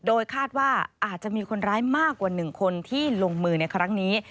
โดยคาดว่าอาจจะมีคนร้ายมากกว่า๑คนที่ลงมือในครั้งนี้